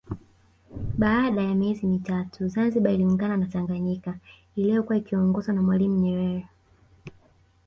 Baada ya miezi mitatu Zanzibar iliungana na Tanganyika iliyokuwa ikiongozwa na Mwalimu Nyerere